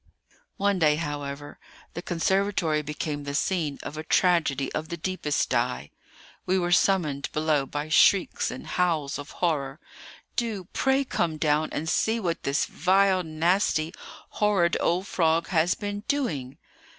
One day, however, the conservatory became the scene of a tragedy of the deepest dye. We were summoned below by shrieks and howls of horror. "Do pray come down and see what this vile, nasty, horrid old frog has been doing!"